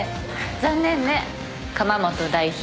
残念ね釜本代表。